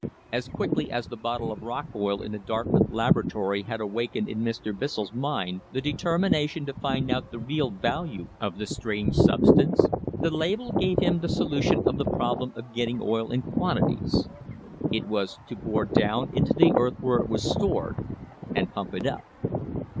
As quickly as the bottle of rock oil in the Dartmouth laboratory had awakened in Mr. Bissell's mind the determination to find out the real value of the strange substance, the label gave him the solution of the problem of getting oil in quantities — it was to bore down into the earth where it was stored, and pump it up.